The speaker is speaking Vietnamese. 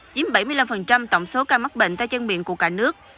chiếm bảy mươi năm tổng số ca mắc bệnh tay chân miệng của cả nước